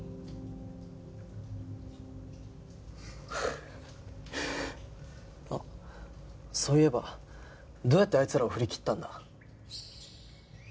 あっそういえばどうやってあいつらを振り切ったんだ？